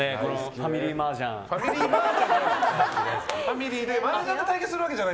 ファミリーマージャンじゃない。